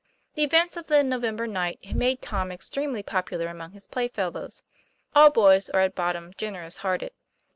The events of the November night had made Tom extremely popular among his playfellows. All boys are at bottom generous hearted.